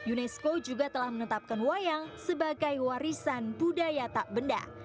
unesco juga telah menetapkan wayang sebagai warisan budaya tak benda